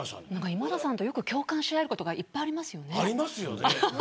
今田さんと共感し合えることたくさんありますよね。